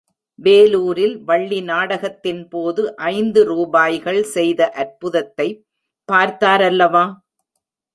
வேலூரில் வள்ளி நாடகத்தின்போது ஐந்து ரூபாய்கள் செய்த அற்புதத்தைப் பார்த்தாரல்லவா?